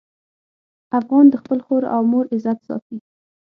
افغان د خپل خور او مور عزت ساتي.